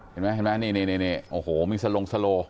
เห็นไหมนี่โอ้โหมีสโลงสโล